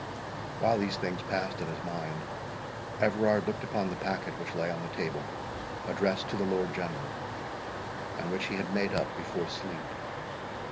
While these things passed in his mind, Everard looked upon the packet which lay on the table addressed to the Lord General, and which he had made up before sleep.